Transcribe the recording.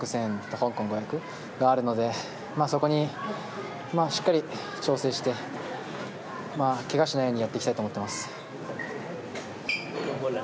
香港５００があるのでそこにしっかり調整して怪我しないようにやっていきたいと思います。